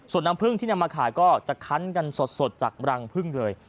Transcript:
ส่วนน้ำพึ่งที่นำมาขายก็จะคั้นกันสดจากรังพึ่งเลย